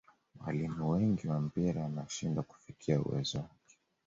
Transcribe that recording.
walimu wengi wa mpira wanashindwa kufikia uwezo wake